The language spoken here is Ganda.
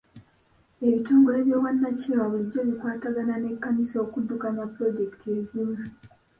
Ebitongole by'obwannakyewa bulijjo bikwatagana n'ekkanisa okuddukanya pulojekiti ezimu.